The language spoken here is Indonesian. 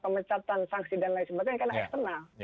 pemecatan sanksi dan lain sebagainya karena eksternal